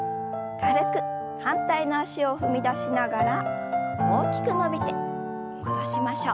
反対の脚を踏み出しながら大きく伸びて戻しましょう。